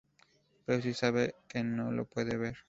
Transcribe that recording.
Pero si sabe que no lo puedo ver.